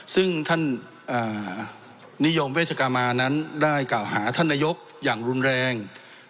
ซึ่งท่านนิยมเวชกามานั้นได้กล่าวหาท่านนายกอย่างรุนแรง